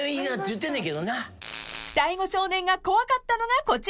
［大悟少年が怖かったのがこちら］